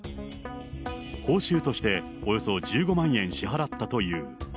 報酬としておよそ１５万円支払ったという。